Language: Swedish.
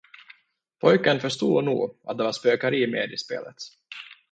Pojken förstod nog, att det var spökeri med i spelet.